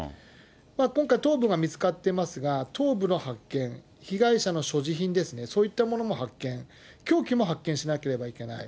今回、頭部が見つかってますが、頭部の発見、被害者の所持品ですね、そういったものも発見、凶器も発見しなければいけない。